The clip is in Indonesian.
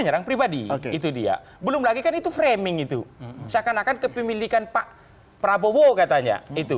nyerang pribadi itu dia belum lagi kan itu framing itu seakan akan kepemilikan pak prabowo katanya itu